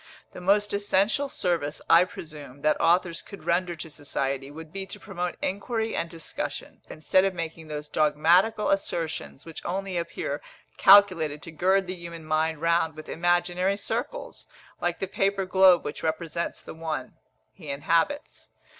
The most essential service, I presume, that authors could render to society, would be to promote inquiry and discussion, instead of making those dogmatical assertions which only appear calculated to gird the human mind round with imaginary circles, like the paper globe which represents the one he inhabits.